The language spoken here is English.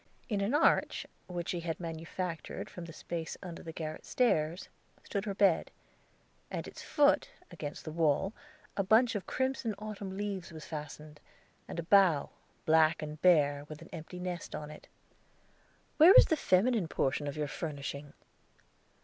In an arch, which she had manufactured from the space under the garret stairs, stood her bed. At its foot, against the wall, a bunch of crimson autumn leaves was fastened, and a bough, black and bare, with an empty nest on it. "Where is the feminine portion of your furnishing?"